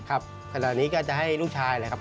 ครับแต่ตอนนี้ก็จะให้ลูกชายแหละครับ